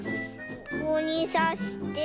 ここにさして。